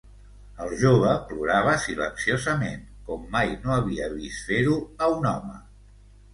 El jove plorava silenciosament, com mai no havia vist fer-ho a un home.